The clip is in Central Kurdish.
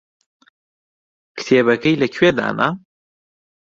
کتێبەکەی لەکوێ دانا؟